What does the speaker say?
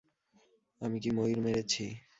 আমি কী ময়ূর মেরেছি?